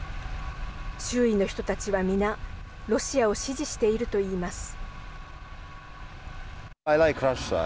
周囲の人たちは、皆ロシアを支持しているといいます。